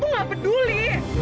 aku tuh gak peduli